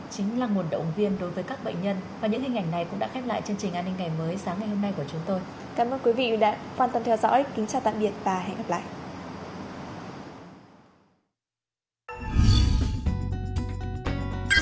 cảm ơn các bạn đã theo dõi và hẹn gặp lại